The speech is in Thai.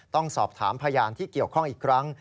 ต้องสอบถามพยานที่เกี่ยวข้องอีกครั้ง